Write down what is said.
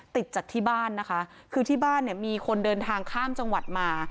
ติดจากที่บ้านนะคะคือที่บ้านเนี่ยมีคนเดินทางข้ามจังหวัดมา